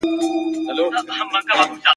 د هرچا به له سفر څخه زړه شین وو !.